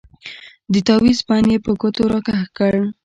د تاويز بند يې په ګوتو راکښ کړ.